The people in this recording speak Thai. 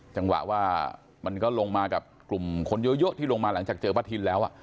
จังหวะว่ามันก็ลงมากับกลุ่มคนเยอะที่ลงมาหลังจากเจอป้าทินแล้ว